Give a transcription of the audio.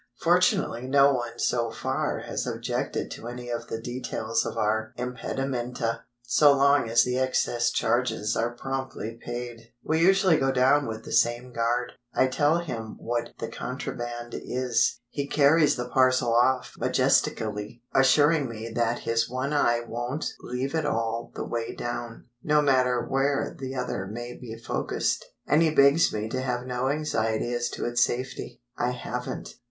Fortunately no one so far has objected to any of the details of our impedimenta, so long as the excess charges are promptly paid. We usually go down with the same guard. I tell him what the contraband is. He carries the parcel off majestically, assuring me that his one eye won't leave it all the way down, no matter where the other may be focused; and he begs me to have no anxiety as to its safety. I haven't.